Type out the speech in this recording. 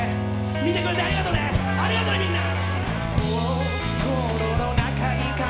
見てくれてありがとうね、ありがとね、みんな！